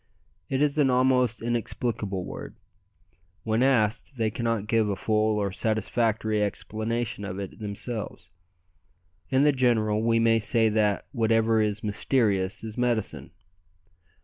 It is an almost inexplicable word. When asked, they cannot give a full or satisfactory explanation of it themselves. In the general, we may say that whatever is mysterious is "medicine."